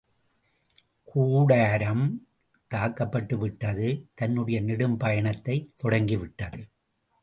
கூடாரம் தாக்கப்பட்டுவிட்டது, தன்னுடைய நெடும் பயணத்தைத் தொடங்கிவிட்டது.